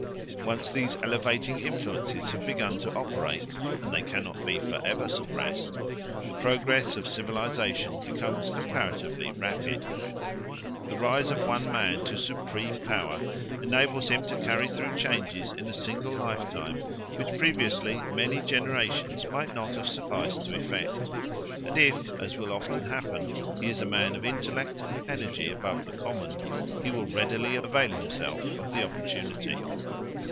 Once these elevating influences have begun to operate and they cannot be for ever suppressed the progress of civilisation becomes comparatively rapid. The rise of one man to supreme power enables him to carry through changes in a single lifetime which previously many generations might not have sufficed to effect; and if, as will often happen, he is a man of intellect and energy above the common, he will readily avail himself of the opportunity.